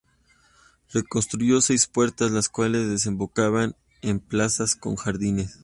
Reconstruyó seis puertas, las cuales desembocaban en plazas con jardines.